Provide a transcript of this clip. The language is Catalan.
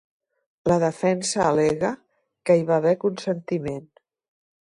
La defensa al·lega que hi va haver consentiment.